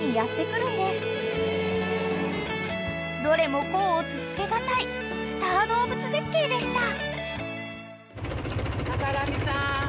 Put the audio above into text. ［どれも甲乙つけがたいスターどうぶつ絶景でした］